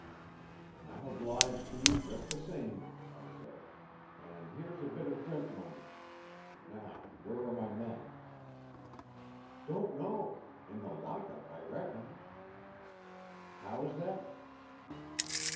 "I'm obliged to you just the same," I said. "And here's a bit of drink money. Now, where are my men?" "Don't know. In the lockup, I reckon." "How is that?"